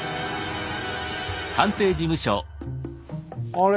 あれ？